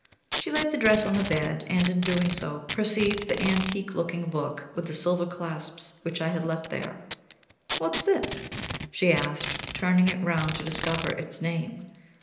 She laid the dress on the bed, and in doing so, perceived the antique looking book with the silver clasps which I had left there. "What's this?" she asked, turning it round to discover its name.